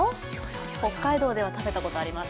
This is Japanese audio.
北海道では食べたことあります。